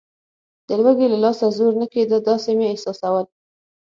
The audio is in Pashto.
د لوږې له لاسه زور نه کېده، داسې مې احساسول.